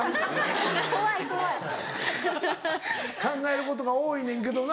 ・怖い怖い・考えることが多いねんけどな。